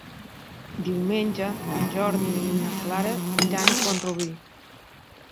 Diumenge en Jordi i na Clara iran a Font-rubí.